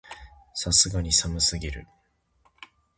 さすがに寒すぎる